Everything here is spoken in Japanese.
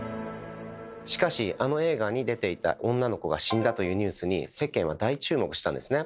しかし「あの映画に出ていた女の子が死んだ」というニュースに世間は大注目したんですね。